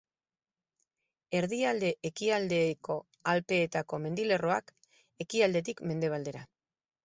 Erdialde Ekialdeko Alpeetako mendilerroak, ekialdetik mendebaldera.